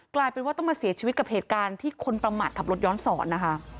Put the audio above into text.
กลายเป็นว่าต้องมาเสียชีวิตกับเหตุการณ์ที่คนประมาทขับรถย้อนสอนนะคะ